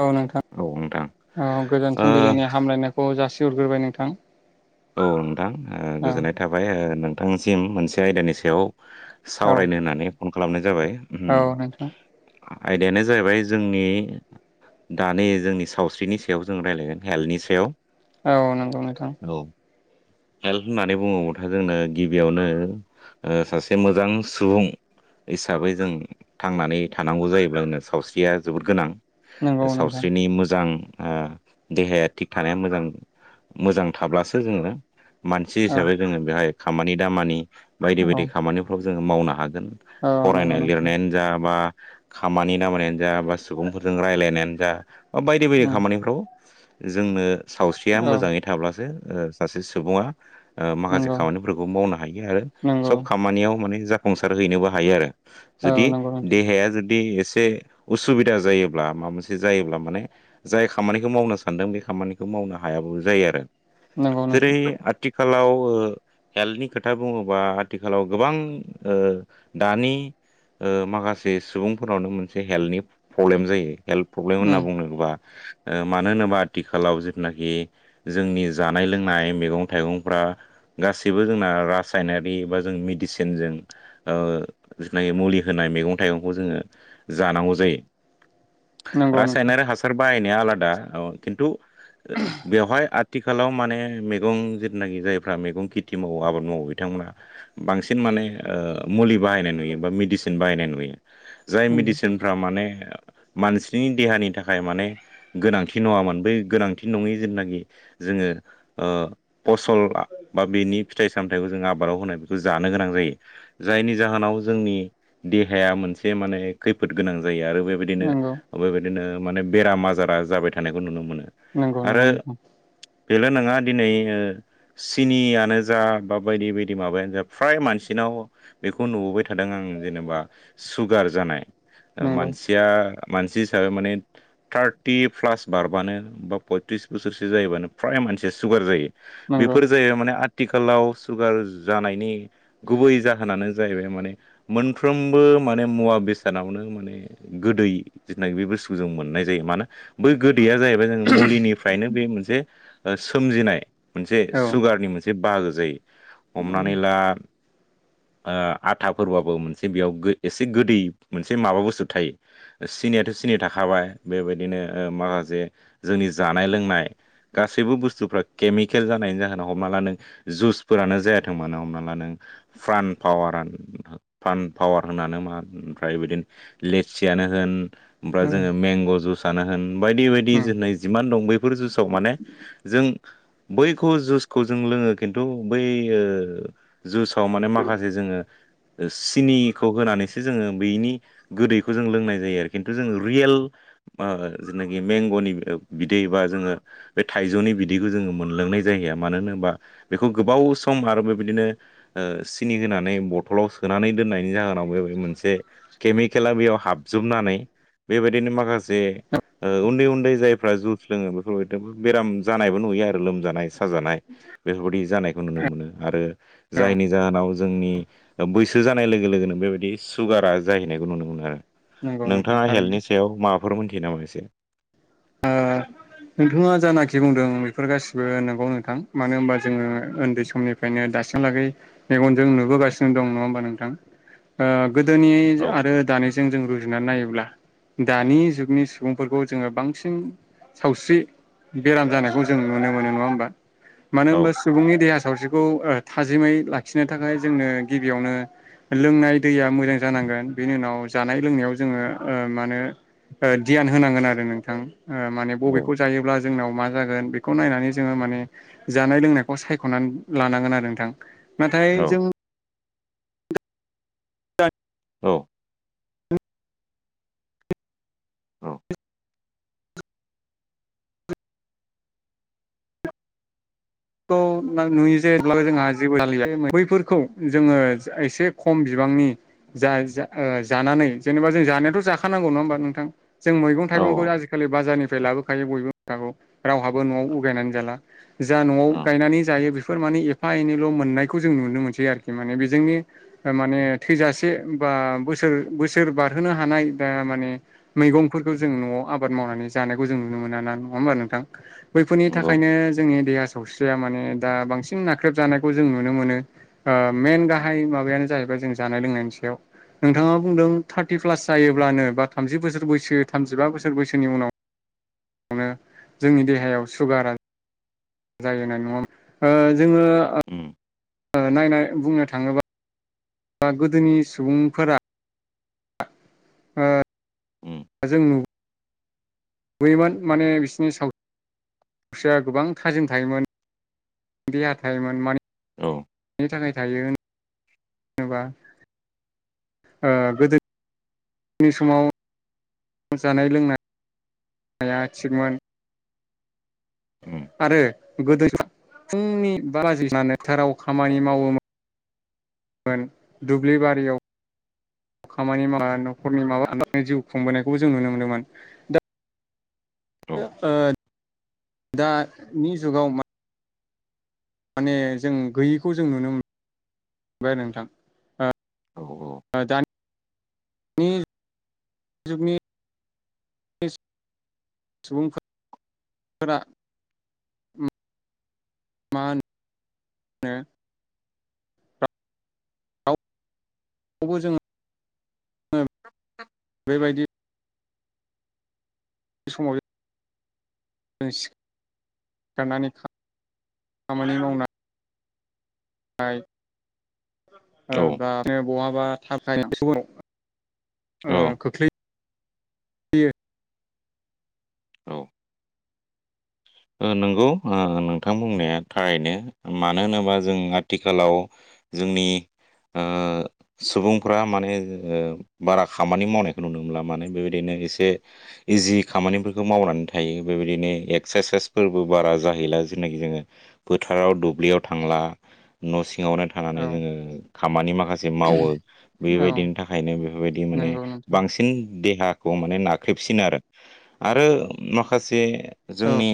औ नोंथां औ नोंथां औ गोजान ओ फुंबिलिनि हामलायनायखौ जासिहरग्रोबाय नोंथां। औ नोंथां ओ औ गोजोननाय थाबाय ओ नोंथांसिम मोनसे आयदानि सायाव सावरायनो औ होननानै फन खालामनाय जाबाय उम औ नोंथां। आयदायानो जाहैबाय जोंनि दानि जोंनि सावस्रिनि सायाव जों रायज्लायगोन हेल्थनि सायाव औ नोंगौ नोंथां औ हेल्थ होननानै बुङोबाथो जोंनो गिबियावनो ओ सासे मोजां सुबुं हिसाबै जों थांनानै थानांगौ जायोब्ला जोंनो सावस्रिया जोबोद गोनां नंगौ नोंथां सावस्रिनि मोजां ओ देहाया थिग थानाया मोजां मोजां थाब्लासो जोङो मानसि औ हिसाबै जोङो बेहाय खामानि दामानि बायदि औ बायदि खामानिफ्राव जोङो मावनो हागोन गोन औ नंगौ फरायनाय नोंथां लिरनायानो जा बा खामानि दामानियानो जा बा सुबुंफोरजों रायजलायनायानो जा बा बायदि बायदि खामानिफ्राव जोंनो सावस्रिया औ मोजाङै थाब्लासो ओ सासे सुबुङा ओ माखासे नंगौ खामानिफोरखौ मावनो हायो आरो नंगौ सब खामानियाव माने जाफुंसार हैनोबो हायो आरो। औ जुदि नंगौ नोंथां देहाया जुदि एसे उसुबिदा जायोब्ला माबा मोनसे जायोब्ला माने जाय खामानिखौ मावनो सानदों बे खामानिखौ मावनो हायाबाबो जायो आरो नंगौ जेरै नोंथां आथिखालाव ओ हेल्थनि खोथा बुङोबा आथिखालाव गोबां ओ दानि ओ माखासे सुबुंफोरनावनो मोनसे हेल्थनि प्रब्लेम जायो। हेल्थ प्रब्लेम उम होनना बुंनांगौब्ला ओ मानो होनोबा आथिखालाव जिथुनाखि जोंनि जानाय लोंनाय जानाय मैगं थाइगंफ्रा गासैबो जोंना रासायनारि एबा जों मेडिसिनजों ओ जिनाखि मुलि होनाय मैगं थाइगंखौ जोङो जानांगौ जायो। नंगौ नोंथां रासायनारि हासार बाहायनाया आलादा औ‌ खिन्थु बेवहाय आथ थिखालाव माने मैगं जिथुनाखि जायफ्रा मैगं खेथि मावो आबाद मावो। बिथांमोना बांसिन माने ओ मुलि बाहायनाय नुयो। बा मेडिसिन बाहायनाय नुयो। जाय नंगौ मेडिसिनफ्रा माने मानसिनि देहानि थाखाय माने गोनांथि नङामोन। बै गोनांथि नङि जेनाखि जोङो ओ फसल आ बा बेनि फिथाइ सामथायाइखौ जोङो आबादाव होनाय जानो गोनां जायो। जायनि जाहोनाव जोंनि देहाया मोनसे माने खैफोद गोनां जायो। आरो बेबायदिनो नंगौ बेबायदिनो माने बेराम आजारा जाबाय थानायखौ नुनो मोनो। नंगौ नंगौ नोंथां। बेलो नोङा। दिनै ओ‌ सिनियानो जा बा बायदि बायदि माबायानो जा फ्राय मानसिनाव बेखौ नुबोबाय थादों। आं जेनेबा सुगार जानाय ओ नंगौ मानसिया मानसि हिसाबै माने थारथि प्लास बारबानो बा पयथ्रिस बोसोरसो जायोबानो फ्राय मानसि सुगार जायो। नंगौ बेफोर जायो माने आथि थिखालाव सुगार जानायनि गुबै जाहोनानो जाहैबाय माने मोनफ्रोमबो बो माने मुवा बेसादावनो माने गोदै होननाय बे बुस्थुखौ जों मोननाय जायो मानो? बै गोदैया जाहैबाय जों मुलिनिफ्रायनो बे मोनसे ओ सोमजिनाय। मोनसे औ सुगारनि मोनसे बाहागो जायो। हमनानै ला ओ‌ आथा फोरबाबो मोनसे बेयाव एसे गोदै मोनसे माबा बुस्थु थायो। सिनियाथ' सिनि थाखाबाय बेबायदिनो माखासे जोंनि जानाय लोंनाय गासैबो बुस्थुफ्रा केमिकेल जानायनि जाहोना हमना ला नों जुसफोरानो जायाथों मानो हमना ला नों। फ्रान पावार फानपावार होननानै मा ओमफ्राय बिदिनो लेस्सियानो होन। ओमफ्राय जोङो उम मेंग‌ जुसआनो होन बायदि बायदि जोंना जिमान दं बैफोर जुइसाव माने जों बैखौ जुसखौ जों लोङो खिन्थु बै ओ जुसाव माने माखासे जोङो। ओ सिनिखौ होनानैसो जोङो। बैनि गोदैखौ जों लोंनाय जायो आरो खिन्थु जों रियेल आ जेनाखि मेंगनि ओ बिदै बा जोङो। बे थाइजौनि बिदैखौ जोङो मोनलोंनाय जाहैया। मानो होनोबा बेखौ गोबाव सम आरो बेबायदिनो ओ सिनि होनानै बथलाव सोनानै दोननायनि जाहोनाव बे मोनसे केमिकेला बेयाव हाबजोब जोबनानै बेबायदिनो माखासे ओ उन्दै उन्दै जायफ्रा जुस लोङो बेफोरबाय बेफोर बेराम जानायबो नुयो आरो लोमजानाय साजानाय बेफोरबायाददि जानायखौ नुनो मोनो। आरो औ जायनि जाहोनाव जोंनि ओ बैसो जानाय लोगो लोगोनो। बेबायदि सुगारा जाहैनायखौ नुनो मोनो आरो। नंगौ नोंथां नोंथाङा थारैनो हेल्थनि सायाव माबाफोर मोनथियो नामा? एसे नोङा जानाखि बुंदों बेफोर गासिबो नंगौ नोंथां। मानो होनबा जोङो ओन्दै समनिफ्रायनो दाहालागै बागै मेगनजों नुबोगासिनो दं नङा होमबा नोंथां। ओ गोदोनि औ आरो दानिजों जों रुजुनानै नायोब्ला दानि जुगनि सुबुंफोरखौ जोङो बां सिन सावस्रि बेराम जानायखौ जों नुनो मोनो नङा होमबा। मानो औ होनबा सुबुंनि देहा सावस्रिखौ ओ थाजिमै लाखिनो थाखाय जोंनो गिबियावनो लोंनाय दैया मोजां जानांगोन। बेनि उनाव जानाय लोंनायाव जोङो ओ मानो दि गियान होनांगोन आरो नोंथां। ओ माने औ बबेखौ जायोब्ला जोंनाव मा जागोन बेखौ नायनानै जोङो माने जानाय लोंनायखौ सायखनानै लानांगोन आरो नोंथां। नाथाय औ जों औ औ खौ‌ ना नुयो जे-जेब्लाबो जोंहा जेबोला बैफोरखौ जोङो एसे खम बिबां बांनि जा जानानै जेनेबा जों जानायाथ जाखानांगौ नङा होमबा नोंथां? जों मैगं औ थाइगंखौ आजिखालि बाजारनिफ्राय लाबोखायो। बयबो [unintelligible] गौ रावहाबो न'आव उगायनानै जाला। जा न'आव उम गायनानै जायो बेफोर माने एफा एनैल' मोननायखौ जों नुनो मोनसै आरोखि माने बेजोंनि माने थैजासे बा बोसोर बोसोर बारहोनो हानाय दा माने मैगंफोरखौ जों न'आव आबाद मावनानै जानायखौ जों नुनो मोना ना नङा होमा नोंथां बैफोरनि नंगौ थाखायनो जोंनि देहा सावस्रिया माने दा बांसिन नाख्रेबजानायखौ जों नुनो मोनो ओ मेन गाहाय माबायानो जाहैबाय जों जानाय लोंनायनि सायाव नोंथाङा बुंदों थार्टि प्लास जायोब्लानो बा थामजि बोसोर बैसो थामजिबा बोसोर बैसोनि उनाव नो जोंनि देहायाव सुगारा जायो होनाय नङामोन जोङो उम ओ नायनाय बुंनो थाङोबा बा गोदोनि सुबुंफोरा ओ उम जों नु योमोन माने बिसोरनि साव स्रिया गोबां थाजिम थायोमोन देहा थायोमोन माने औ थाखाय थायो जेनबा ओ गोदो नि समाव जानाय लोंनाय नाया थिगमोन उम आरो गोदो फुंनि बा बाजि थाराव खामानि मावोमोन मोन दुब्लि बारियाव खामानि मावा न'खरनि माबा जिउ खुंबोनायखौबो जों नुनो मोनदोंमोन दा औ ओ दानि जुगाव मा माने जों गैयिखौ जों नुनो बाय नोंथां आ औ ओ दा नि जुगनि सुबुंफोरा मा होनो बो जोङो बेबायदि समाय जों सि सिखारनानै खा खामानि मावनानै ओ औ दा ओ बहाबा [unintelligible] ओ औ खोख्लैयो औ ओ नंगौ नोंथां बुंनाया थारैनो मानो होनोबा जों आथिखालाव जोंनि सुबुंफ्रा माने बारा खामानि मावनायखौ नुनो मोनला माने बेबायदिनो इसे इजि खामानिफोरखौ मावनानै थायो बेबायदिनो एक सेसफोरबो बारा जाहैला जेनाखि जोङो फोथाराव दुब्लियाव थांला न' सिङावनो औ थानानै जोङो खामानि माखासे मावो औ बेबायदिनि थाखायनो बेफोरबायदि माने नंगौ नोंथां बांसिन देहाखौ माने नाख्रेबसिन आरो आरो माखासे औ जोंनि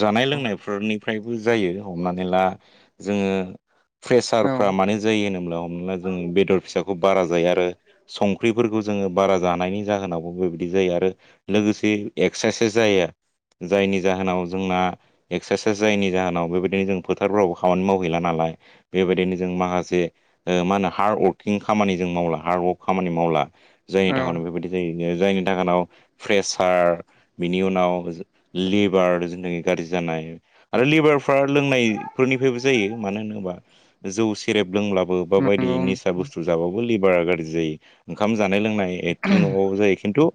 जानाय लोंनायफोरनिफ्राय जायो हमनानै ला जोङो औ प्रेसारफ्रा मानोे जायो होनोब्ला हमना ला जोङो बेदर फिसाखौ बारा जायो आरो संख्रिफोरखौ जोङो बारा जानायनि जाहोनावबो बेबायदि जायो आरो लोगोसे एक्सारसाइस जाया जायनि जाहोनाव जोंना एक्सारसाइस जायनि जाहोनाव बेबायदिनो जों फोथारफोरावबो खामानि मावहैला नालाय बेबायदिनो जों माखासे मा होनो हार्डवर्किं खामानि जों मावला हार्डवर्क खामानि मावला जायनि औ थाखायनाव बेफोरबायदि जायो जायनि थाखायनाव प्रेसार बिनि उनाव लेबार जोंनि थाखाय गाज्रि जानाय आरो लेबारफ्रा लोंनायफोरनिफ्रायबो जायो मानो होनोबा जौ सेरेब लोंलाबो बाबायदि नंगौ निसा बुस्थु जाबबो लिभारा गाज्रि जायो जानाय लोंनाय एथिं नङाबो जायो खिन्थु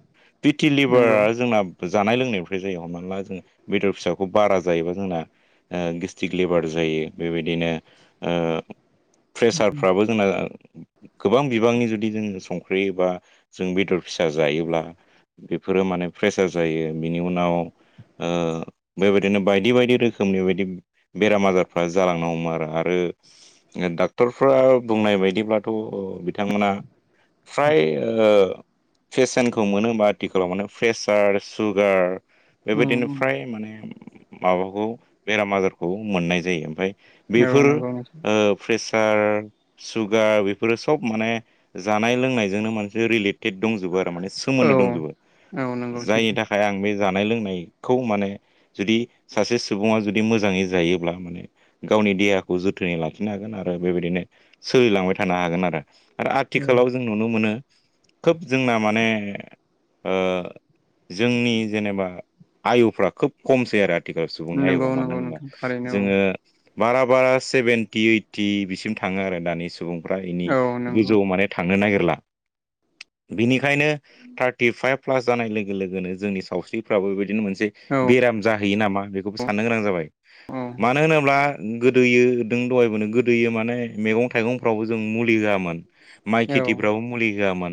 बिटि नंगौ लिभारा जोंना जानाय लोंनायनिनायनिफ्राय जायो हमनानै मोनला जोङो बेदर फिसाखौ बारा जायोबा जोंना गेस्टिक लेबार जायो बेबायदिनो ओ प्रेसारफ्राबो जोंना गोबां बिबांनि जुदि जोङो संख्रि बा जों बेदर फिसा जायोब्ला बेफोरो माने प्रेसार जायो बिनि उनाव ओ बेबायदिनो बायदि बायदि रोखोमनि बदि बेराम आजारफ्रा जालांनांगौ हमो आरो। आरो डाक्टरफ्रा बुंनाय बायदिब्लाथ बिथांमोना फ्राय ओ फेशनखौ मोनो होनबा आथिखालाव माने प्रेसार सुगार । उम बेबायदिनो उम फ्राय माने माबाखौ बेराम आजारखौ मोननाय जायो ओमफाय औ बेफोर नंगौ नोंथां ओ प्रेसार सुगार बेफोरो सब माने जानाय लोंनायजोंनो मानसे रिलेटेड दंजोबो आरो माने औ सोमोन्दो दंजोबो औ नंगौ जायनि सैथो थाखाय आं बे जानाय लोंनाय। खौ माने जुदि सासे सुबुङा जुदि मोजाङै जायोब्ला माने गावनि देहाखौ जोथोनै लाखिनो हागोन आरो बेबायदिनो सोलिलांबाय थानो हागोन आरो। आरो आथिखालाव जों नुनो मोनो। खोब जोंना माने ओ जोंनि जेनेबा आयुफ्रा खोब खमसै आरो आथिखाल सुबुंनि नंगौ आयुआ मानो नंगौ होनबा नोंथां थारैनो जोङो। बारा बारा सेभेेनटि ओइटि बिसिम थाङो आरो दानि सुबुं फ्रा एनि औ औ नंगौ गोजौआव माने थांनो नागिरला । बिनिखायनो थार्टि फाइभ प्लास जानाय लोगो लोगोनो जोंनि सावस्रिफ्राबो बे बिदिनो मोनसे औ बेराम जाहैयो नामा बेखौबो साननो गोनां जाबाय, औ मानो होनोब्ला? गोदोयो दों दहायबो गोदोयो माने मेगं थाइगंफ्रावबो जों मुलि होयामोन। माइ औ खेथिफ्रावबो मुलि होयामोन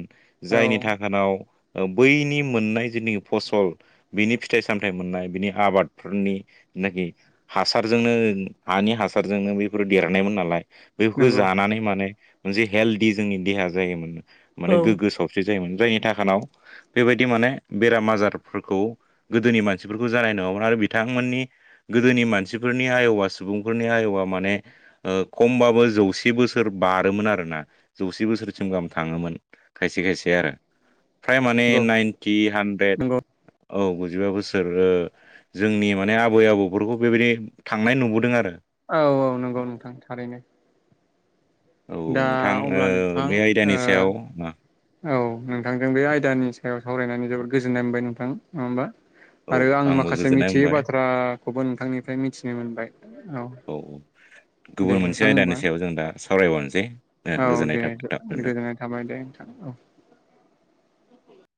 औ जायनि थाखानाव ओ बैनि मोननाय जेनेखि फसल बिनि फिथाइ सामथाइ मोननाय बिनि आबादफोरनि जेनाखि हासारजोंनो हानि हास सारजोंनो बेफोर देरनायमोन नालाय । बेफोरखो नंगौ जानानै माने मोनसे हेलदि जोंनि देहाया जायोमोन औ माने गोग्गो सावस्रि जायोमोन जायनि थाखानाव बेबायदि माने बेराम आजारफोरखौ गोदोनि मानसिफोरखौ जानाय नङामोन आरो बिथांमोननि गोदोनि मानसिफोरनि आयबा सुबुंफोरनि आरो आयआ माने ओ खमबाबो जौसे बोसोर बारोमोन आरोना जौसे बोसोरसिम गाहाम थां थाङोमोन खायसे खायसे आरो फ्राय माने नंगौ नाइनथि हानड्रेद नंगौ औ गुजिबा बोसोर ओ जोंनि माने आबै आबौफोरखौ बेबायदि थांनाय नुबोदों आरो। औ औ नंगौ नोंथां थारैनो दा नोंथां अब्ला ओ नोंथां बे आयदानि सायाव ओ औ नोंथांजों बे आयदानि सायाव सावरायनानै जोबोद गोजोननाय मोनबाय नोंथां नङा होमबा? औ आरो आं आंबो माखासे गोजोननाय मिथियै मोनबाय बाथ्राखौबो नोंथांनिफ्राय मिथिनो मोनबाय औ । गुबुन मोनसे आयदानि सायाव जों दा सावरायबावनोसै। ओ औ गोजोननाय दे थाबाय नोंथां गोजोननाय थाबाय दे नोंथां औ।